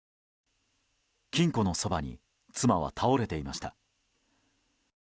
金庫のそばに妻は倒れていました。